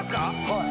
はい。